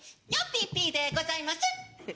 ぴぴでございます！